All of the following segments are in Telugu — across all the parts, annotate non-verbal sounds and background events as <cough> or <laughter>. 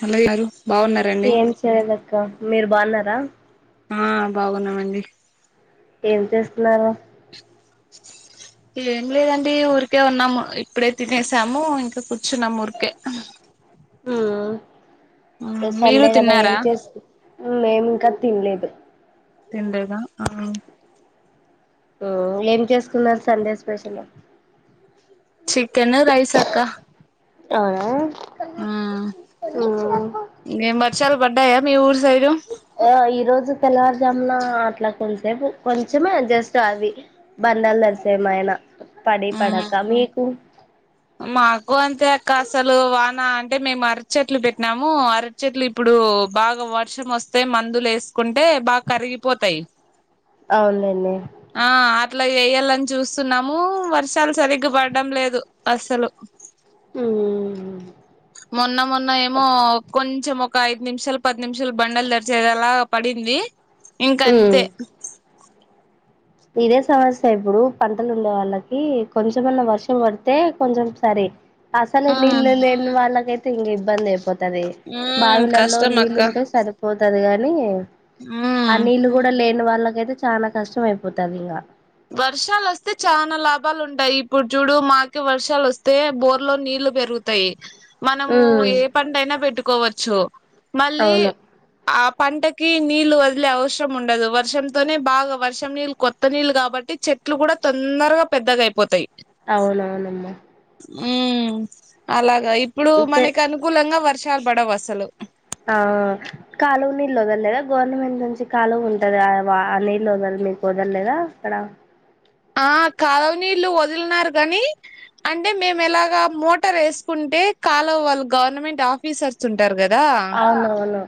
పల్లవి గారు బావున్నారండి ఏం చేయలేదక్క మీరు బాగున్నారా ఆ బాగున్నామండి ఏం చేస్తున్నారు <inaudible> ఏం లేదండి ఊరికే ఉన్నాము ఇప్పుడే తినేసాము ఇంకా కూర్చున్నామ ఊరికే ఉము మీరు సండే కదా ఏం తిన్నారా చేస్తూ మేము ఇంకా తినలేదు తినలేదా ఆ ఉము ఏం చేసుకున్నారు సండే స్పెషల్ చికెన్ రైస్ అక్క అవునా ఉము ఇంకేం వర్షాలు పడ్డాయా మీ ఊరు సైడు ఆ ఈ రోజు తెల్లవారుజామున అట్లా కొసేపు కొంచమే జస్ట్ అవి బండ్డలు తరిస్తే ఏమైనా పడి పడక మీ మీకు <inaudible> మాకు అంతే అక్క అసలు వాన అంటే మేము అరటి చెట్లు పెట్టినాము అరటి చెట్లు ఇప్పుడు బాగ వర్షం వస్తే మందులు ఎస్తే కుంటే బాగా కరిగిపోతాయి అవునులేండి అ అట్లా ఎయ్యాలని చూస్తున్నాము వర్షాలు సరిగ్గా పడడం లేదు అసలు ఉము మొన్న మొన్న ఏమో కొంచెం ఒక ఐదు నిమిషాలు పది నిమిషాలు బండలు తడిచే లా అలాగ పడింది ది ఇంక ఉమ్ అంతే ఇదే సమస్య ఇప్పుడు పంటలు ఉండే వాళ్ళకి కొంచమన్నా వర్షం పడితే కొంచెం సర్ ఆసలు నీళ్ళు లేని వాళ్లకి అయితే ఇబ్బంది అయిపోతది ది ఉమ్ బావిలలో కష్టం అక్క నీళ్ళు ఉంటే సరిపోతది గాని ఆ ఉమ్ నీళ్ళు కూడా లేని వాళ్ళకయితే చాలా కష్టం అయిపోతది ఇంకా వర్షాలు వస్తే చనాా లాభాలు ఉంటాయి ఇప్పుడు చూడు మాకే వర్షాలు వస్తే బోర్లో నీళ్రు ఇలు పెరుగుతాయి మనము ఉమ్ ఏ పంట అయినా పెట్టుకోవచ్చు మళ్ళీ అవును ఆ పంటకి నీళ్ళలు వదిలే అవసరం ఉండదు వర్షంతోనే బాగా వర్షం నీళ్ు కొత్త నీళ్లు కా కాబట్టి చెట్లు కూడా తొందరగా పెద్దగా అయిపోతాయి అవునవునమ్మ ఉ అలాగా ఇప్పుడు అంతే మనకి అనుకూలంగా వర్షాలు పడవు అసలు ఆ కాలువ నీళ్ళు వదలేదా గవర్నమెంట్ నుంచి కాలువ ఉంటది ఆ ఆ నీళ్ు వల మీకు కుదరలేదా అక్కడ ఆ కాలువనీీళ్లు వదిలిన కాగాని అంటే మేము ఎలాగా మోటార్ వేసుకుంటే అంటే కాల వాళ్ళు గవర్నమెంట్ ఆఫీసర్స్ ఉంటారు కదా అవునవును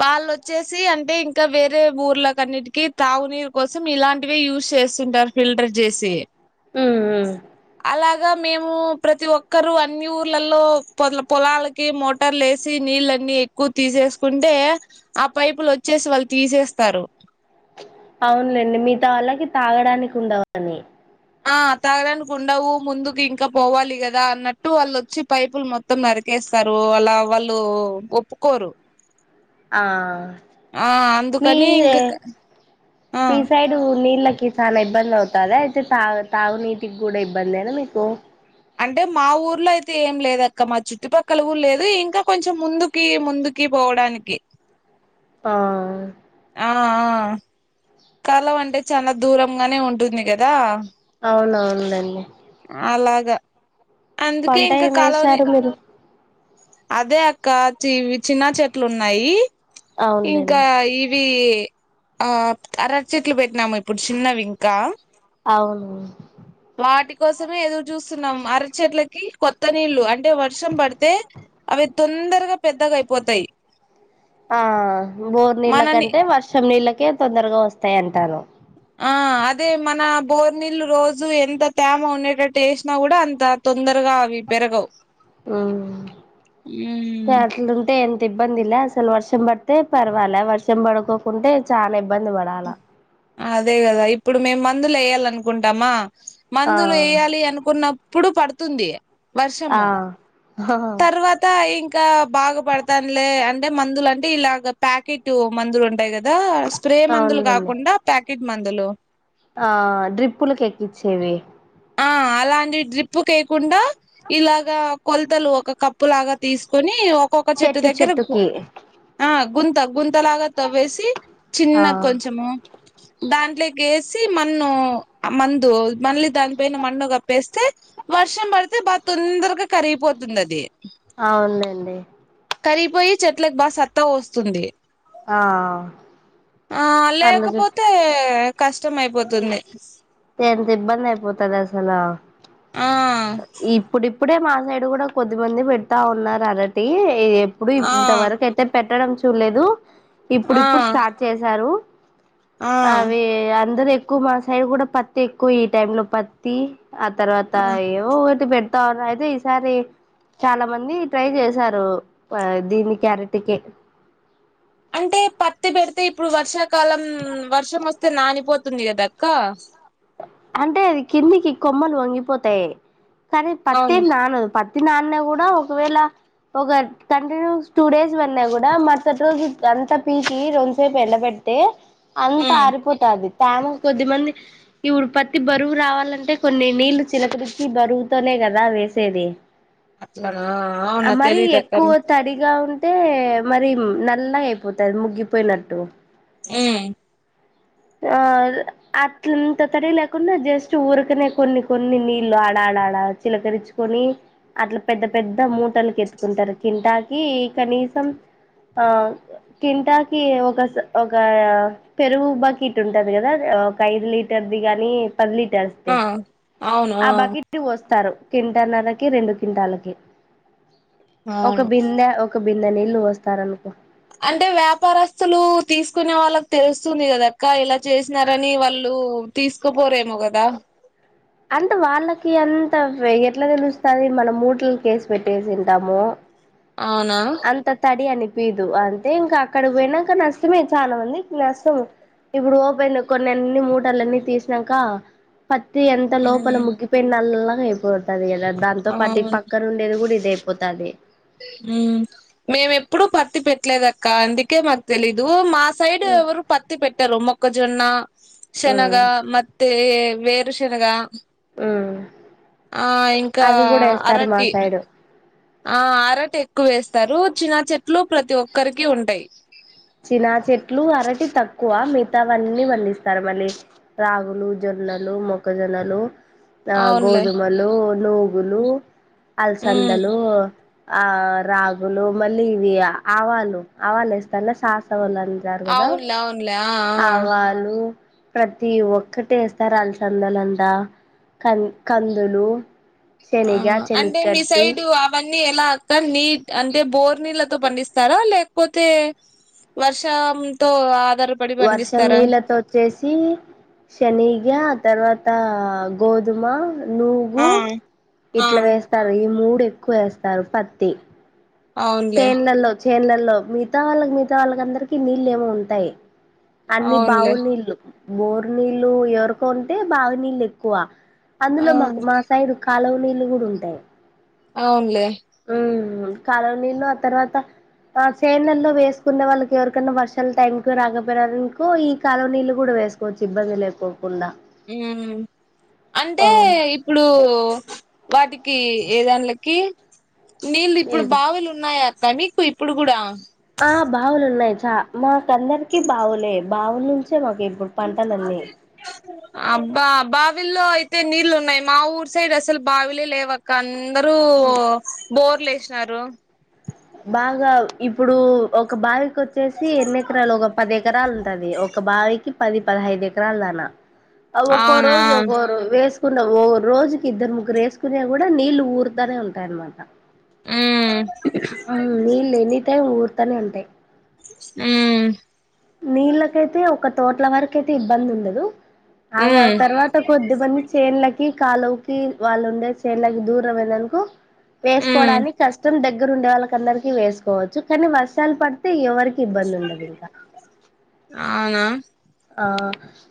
వాళ్ళుొచ్చేసి అంటే ఇంకా వేరే ఊర్లకన్నిటికిీ తాగునీరు కోసం ఇలాంటివిే యూస్ చేస్తుంటారు ఫిల్టర్ చేసి ఉ అలాగా మేము ప్రతి ఒక్కరు అన్ని ఊర్లలో పొ పొలాలకి మోటార్లు వేసి నీ నీళ్ళన్నీ ఎక్కువ తీసేసుకుంటే ఆ పైపులు వచ్చేసి వాళ్ళు తీసేస్తారు అవునులేండి మిగతా వాళ్ళకి తాగడానికి ఉండవని ఆ తాగడానికి ఉండవు ముందుకు ఇంకా పోవాలి కదా అన్నట్టు వాళ్ళుొచ్చి పైపులు మొత్తం నరికియి ేస్తారు అలా వాళ్ళు ఒప్పుకోరు ఆ ఆ మీ అందుకని ఇంక ఆ మీ సైడ్ నీళ్ చాలా ఇబ్బంది అవుతందిా అయితే తా తాగునీీటికి కూడా ఇబ్బందిేనా మీకు అంటే మా ఊర్లో అయితే ఏం లేదు అక్క మా చుట్టుపక్కల కూడా లేదు ఇంకా కొంచెం ముందుకి ముందుకి పోవడానికి ఆ ఆ కాలవ అంటే చాలా దూరంగానే ఉంటుంది కదా అవునవునులేండి అలాగా అందుకే పంట ఇంకా ఏం కాలవని వేశారు మీరు అదే అక్క చీవి చిన్న చెట్లు ఉన్నాయి ఇంకా అవునులేండి ఇవి ఆ అరటీ చెట్లు పెట్టినాము ఇప్పుడు చిన్నవి ఇంకా అవును వాటి కోసమే ఎదురు చూస్తున్నాం అరటిచట్లకి కొత్త నీళ్లు అంటే వర్షం పడితే అవి తొన్ తొందరగా పెద్దగా అయిపోతాయి ఆ బోరు మనని నీళ్ళకంటే వర్షం నీళ్ళకే తొందరగా వస్తాయి అంటారు ఆ అదే మన బోర్నీళ్లు రోజు ఎంత తేమ ఉండేటట్టు వేసినా కూడా అంత తొందరగా అవి పెరగవు ఉ ఉమ్ అట్లుంటే ఎన్ ఇబ్బంది లే అసలు వర్షం పడితే పర్వాలా వర్షం పడుకోకుంటే చాలా ఇబ బంది పడాలా అదే కదా ఇప్పుడు మేము మందులు వేయ్యాలి అనుకుంటామా మందులు ఆ వేయ్యాలి అనుకున్న ఇప్పుడు పడుతుంది ఆ వర్షము తర్వాత ఇన్ కా బాగ పడతాందిలే అంటే మందులు అంటే ఇలాగ ప్యాకెట్ మందులు ఉంటాయి కదా స్ప్రే మందులు అవునులేండి కాకుండా ప్యాకెట్ మందులు ఆ డ్రిప్పులకి ఎక్కిచేవి ఆ అలాంటి డ్రిప్పు వయకుండా ఇలాగా కొల్ తలు ఒక కప్పు లాగా తీసుకొని ఒక్కొక్క చెట్టు దగ్గర ఆ గుంత గుంత లాగా తవ్వేసి చిన్న ఆ కొంచెము దాంట్లేకి ఈ మన్ను ఆ మందు మళ్ళీ దాని పైన మన్ను కప్పేస్తే వర్షం పడ్ తే బాగా తొందరగా కరిగిపోతుంది అది అవునండి కరిగిపోయి చెట్లకు బాగా సత్తా వత్తుంది ఆ ఆ అందుకే లేకపోతే కష్టం అయిపోతుంది ఎంత ఇబ్బంది అయిపోతది అసలు ఆ ఇప్పుడే మా సైడ్ కూడా కొద్దిమంది పెడతా ఉన్నారు అరటి ఎప్పుడు ఆ ఇంతవరకు అయితే పెట్టడం చూడలేదు ఇప్పుడు ఆ ఇప్పుడు స్టార్ట్ చేశారు ఆ అవి అందరు ఎక్కువ మా సైడ్ కూడా పత్తి ఎక్కువ ఈ టైం లో పత్తి ఆ తర్వాత ఆ ఏమో ఒకటి పెడతా అయితే ఈసారి చాలా మంది ట్రై చేశారు దీని క్యారెట్కి అంటే పత్తి పెడితే ఇప్పుడు వర్షాకాలం వర్షం వస్తే నానిపోతుంది కదక్క అంటే అది కిందికి కొమ్మలు వంగిపోతాయి కానీ పత్తెం అవును నానదు పత్ ఈ నాన్న కూడా ఒకవేళ ఒక కంటిన్యూ టూ డేస్ వన్నా కూడా మరుసటి రోజు అంతా పీసి రొంతసేపు ఎళ్ళ పెట్ తే అంత ఉమ్ ఆరిపోతది తామ కొద్దిమంది ఇప్పుడు పత్తి బరువు రావాలంటే కొన్ని నీళ్లు చిలకరిచ్చి బరువుతోనే కదా వేసేది అట్లనా అవునా మరి తెలీదక్క ఎక్కువ తడిగా ఉన్ అంటే మరి నల్లగా అయిపోతది ముగ్గిపోయినట్టు ఉ ఆ అట్లంటే తడి లేకుండా జస్ట్ ఊరికనే కొన్ని కొన్ని నీళ్లు ఆడాలి లాడలి చిలకరించుకొని అట్లా పెద్ద పెద్ద మూటలుకి ఎత్తుకుంటారు కింటాకి ఇక్క కనీసం ఆ కింటాకి ఒక ఒక పెరుగు బా క్కెట్ ఉంటుంది కదా ఒక ఐదు లీటర్ది కానీ పది లీటర్స్ ది ఆ ఆ బకెట్ కి పోస్తారు కింటన్నరకి రెండు కింటాలకి ఒక అవును బిందె ఒక బింద నీళ్ళు పోస్తారు అనుకో అంటే వ్యాపారస్తులు తీసుకునే వాళ్ళకి తెలుస్తుంది కాదక్కా ఇలా చేసినారని వాళ్ళు తీసుకోపోరేమో కదా అంత వాళ్ళకి ఎంత ఎట్లా తెలుస్తది మనం ముట్లా కేసి పెట్టేసి ఉంటాము అవునా అంత తడి అని పిదు అంటే ఇంకా అక్కడకి పోయినాక నష్టమే చాలా మందికి నష్టము ఇప్పుడు ఓపెన్ లో కొన్ని అన్ని మూటలన్ని తీసినాక పత్తి ఎంత లోపల ఉమ్ ముగ్గిపోయిన నల్లగా అయిపోతది కదా దాంతో పత్తి పక్కన ఉండేది కూడా ఇద యి పోతాది ఉమ్ మేము ఎప్పుడుూ పత్తి పెట్టలేదుక్క అందుకే మాకు తెలీదు మా సైడ్ ఎవరు పత్తి పెట్టారు మొక్కజొన్న శెనగ ఉ మత్ తే వేరుశెనగా ఆమ్ ఆ ఇంకా మా అరటి సైడు ఆ అరటి ఎక్కువ వేస్తారు చినా చెట్లు ప్రతి ఒక్కరికి ఉంటాయి చినా చెట్లు అరటి తక్కువ క్కువ మిగతావన్నీ పండిస్తారు మళ్ళీ రాగులు జొన్నలు మొక్కజొన్నలు ఆ అవునులే గోధుమలు నూగులు మ్మ్ అలసందలు ఆ రాగులు మళ్ళీ ఇవి ఆవాలు ఆవలు వేస్తాలే శసవాళ అవునులే అవునులే ఆ ఆవాలు ప్రతి ఒక్కటి వేస్తార్ అలసందలంట కందులు ఆ శనగ శనగ అంటే మీ కట్టి సైడ్ అవన్నీ ఎలా అక్క నీటి అంటే బోర్ నీళ్ళ తో పండిస్తారా లేక పోతే వర్షం తో వర్షం నీళ్ళతో వచ్చేసి శనిగా తర్వాత అ గోధుమ నూగు ఆ ఇట్లా ఆ వేస్తారు ఈ మూడు ఎక్కువ వేస్తారు పత్తి అవునులే చేన్ లల్లో మిగతా వాళ్ళకి మిగతా వాళ్ళకి అందరికి నీళ్ళు ఏమో ఉంటాయి అన్నీ అవునులే బావులనీళ్ళు బోరు నీళ్ళు లు ఎవరికో ఉంటే బావు నీళ్ళు ఎక్కువ ఆ అందులో మాకు మా సైడు కాలువ నీళ్లు గూడ ఉంటాయి అవునులే ఉమ్ కాలువ నీళ్ళు ఆ తర్వాత ఆ చేన్ లల్లో వేసుకున్నా వాళ్ళకి ఎవరికన్నా వర్షాల టైం కు రాకపోనియకో ఈ కాలవ నీళ్ళు కూడా వేసుకోవచ్చు ఇబ్బంది లేదుపో ఉమ్ అంటే అవు ఇప్పుడు వాటికి ఏదాంలకి నీళ్ళు ఇప్పుడు లేదు బావులు ఉన్నాయా దా మీకు ఇప్పుడు కూడా ఆ బావులున్నాయి చ మా అందరికి బావులే బావుల నుంచే మాకు ఇప్పుడు పంటలన్నీ అబ్బా బావిల్లో తే నీళ్లు ఉన్నాయి మా ఊరు సైడ్ అసలు బావిలే లేవ అక్క అందరూ బోర్ లు లేసినారు బాగా ఇప్పుడు ఒక బావి వచ్చేసి ఎన్ని ఎకరాలు ఒక పది ఎకరాలు ఉంటది ఒక బావికి పది పదహైదు ఎకరలు దనా ఒక్క అవునా రోజు ఒక వేస్ న్న ఓ రోజుకి ఇద్దరు ముగ్గురు వేసుకునే కూడా నీళ్ళలు ఊరుతానే ఉంటాయిన్నమాట మ్మ్ నీళ్ళు ఎన్ని టైమ్ ఊర్తనే ఉంటాయి ఆ నీళ్ళకైతే ఒక తోట్ల వరకయితే ఇబ్బంది ఉండదు ఆగా మ్మ్ తర్వాత కొద్దిమంది చేన్లకి కాలు వాళ్ళు ఉండేళకి దూరం అకు మ్మ్ వేసుకోవడానికి కష్టం దగ్గ దగ్గర ఉండే వాళ్ళకి అందరికి వేసుకోవచ్చు కానీ వర్షాలు పడితే ఎవరికి ఇబ్బంది ఉండదు ఇంకా అవునా ఆ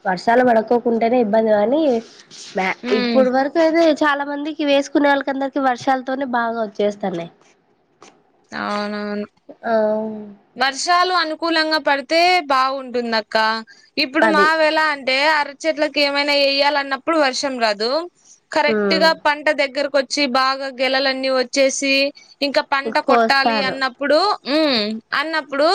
వర్షాలు పడుకోకుంటేనే ఇబ్బంది కానీ మ్మ్ ఇప్పుడు వరకు అతే చాలా మందికి వేసుకునే వాళ్ళకి అందరికి వర్షాలతోనే బాగా వచ్చేస్తన్నాయి అవునవును అవు వర్షాలు అనుకూలంగా పడితే బాగుంటుంద అక్క ఇప్పుడు అది మావేళ అంటే అర చెెట్లకి ఏమైనా వయాలిన్నప్పుడు వర్షం రాదు కరెక్ట్ గా ఉమ్ పంట దగ్గరకు వచ్చి బాగా గెలలన్నీ వచ్చేసి ఇంకా పంట కొట్టాలి కోస్తారు అన్నప్పుడు ఉ అన్నప్పుడు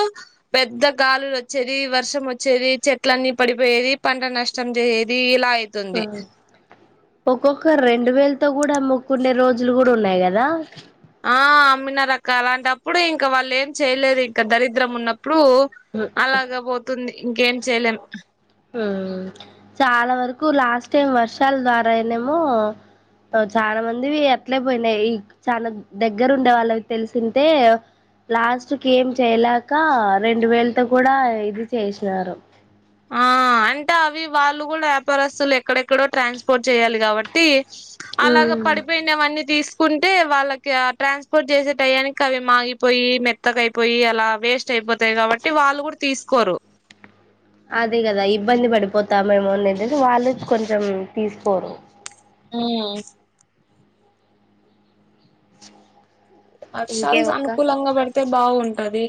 పెద్ద గాలులు వచ్చేది వర్షం వచ్చేది చెట్లన్నీ పడిపోయేది పంట నష్టం చేది ఇలా అయితుంది ఆ ఒక్కొక్క రెండు వేలు కూడా మగకున్ని రోజులు కూడా ఉన్నాయి కదా ఆ అమ్మిన రక్క అలాంటప్పుడు ఇంకా వాళ్ళు ఏం చేయలేదు ఇంకా దరిద్రం ఉన్నప్పుడు ఇప్పుడు అలాగ పోతుంది ఇంకేం చేయలేం చాలా వరకు లాస్ట్ టైం వర్షాల ద్వారా అయినేమో చాలా మందివి అట్లే పోయినాయి ఈ చా దగ్గర ఉండే వాళ్ళకి తెలిసింటే లాస్ట్ క ఏం చేయలేక రెండు వేలతో కూడా ఇది చేసినారు ఆ అంటే అవి వాళ్ళు కూడా వ్యాపారస్తులు ఎక్కడెక్కడో ట్రాన్స్పోర్ట్ చేయాలి కాబట్టి అలాగా ఉమ్ పడిపోయినవన్నీ తీసుకు ంటే వాళ్ళకి ట్రాన్స్పోర్ట్ చేసే టయానికి అవి మాగిపోయి మెత్తకయిపోయి అలా వేస్ట్ అయిపో అయిపోతాయి కాబట్టి వాళ్ళు కూడా తీసుకోరు అదే కదా ఇబ్బంది పడిపోతామేమోనేదంటే వాళ్ళు కొంచెం తీసుకోరు ఆ వర్షాలు ఇంకేమక్క అనుకూలంగా పెడితే బాగుంటది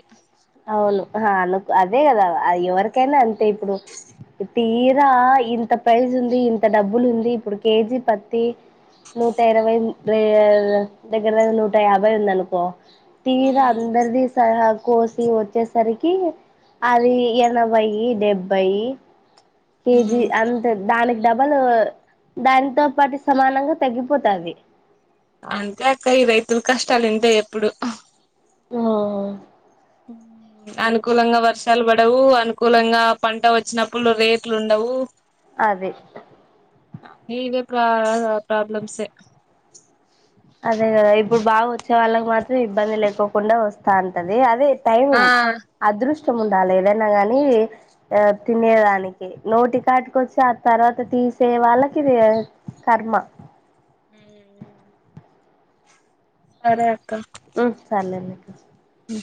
అవును అను అదే కదా ఎవరికైనా అంతే ఇప్పుడు ఇద ఇంత ప్రైస్్ ఉంది ఇంత డబ్బులు ఉంది ఇప్పుడు కేజీ పత్తి నూట ఇరవై దగ్గర నూట యాభై ఉందని పో తరా అందది స కో వచ్చేసరికి అది ఎనభై డెబ్బై కేజీ మ్మ్ అంతే దానికి డబలు దానితో పాటు సమానంగా తగ్గిపోతది అంతే అక్క ఈ రైతులు కష్టాలు ఉంటాయి ఎప్పుడు ఆ ఉ అనుకూలంగా వర్షాలు పడవు అనుకూలంగా పంట వచ్చినప్పుడు రేట్లు ఉండవు అదే ఇవే ప్రా ప్రాబ్లమ్సే అదే కదా ఇప్పుడు బాగా వచ్చే వాళ్ళకి మాత్రం ఇబ్బంది లేకోకుండా వస్తా అంటది అదే టై ఆ అదృష్ట ఉండాలి ఏదైనా ని తినేదానికి నోటి కాటుకొచ్చి ఆ తర్వాత ఈ సేవాళ్ాలకి ఇది కర్మ హ <unintelligible> అ